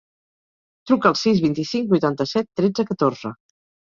Truca al sis, vint-i-cinc, vuitanta-set, tretze, catorze.